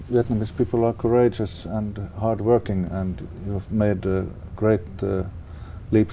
và tất nhiên tình hình sống đã tăng rất nhiều